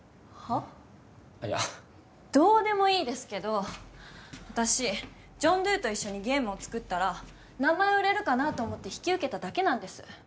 ああいやどうでもいいですけど私ジョン・ドゥと一緒にゲームを作ったら名前売れるかなと思って引き受けただけなんです